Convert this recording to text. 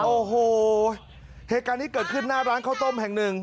โอ้โหเหตุการณ์นี้เกิดขึ้นหน้าร้านข้าวต้มแห่งหนึ่ง